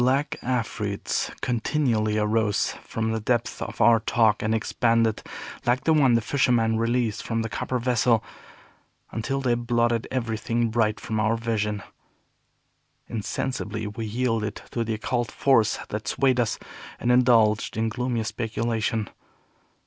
Black afreets continually arose from the depths of our talk, and expanded, like the one the fisherman released from the copper vessel, until they blotted everything bright from our vision. Insensibly, we yielded to the occult force that swayed us, and indulged in gloomy speculation.